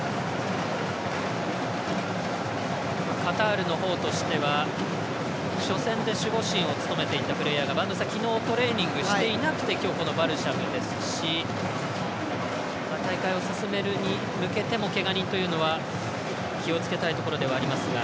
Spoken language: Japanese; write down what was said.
カタールのほうとしては初戦で守護神を務めていたプレーヤーが昨日トレーニングしていなくて今日、このバルシャムですし大会を進めるに向けてもけが人というのは気をつけたいところではありますが。